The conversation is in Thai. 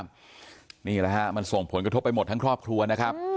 มันส่งผลกระทบไปหมดทั้งครอบครัวนะครับ